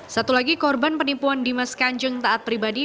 satu lagi korban penipuan dimas kanjeng taat pribadi